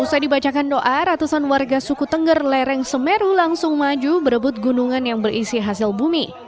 usai dibacakan doa ratusan warga suku tengger lereng semeru langsung maju berebut gunungan yang berisi hasil bumi